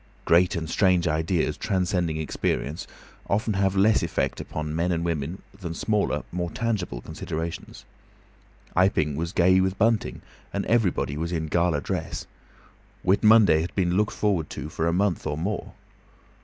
Great and strange ideas transcending experience often have less effect upon men and women than smaller, more tangible considerations. Iping was gay with bunting, and everybody was in gala dress. Whit Monday had been looked forward to for a month or more.